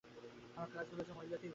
আমার ক্লাসগুলি যে মহিলাতেই ভর্তি।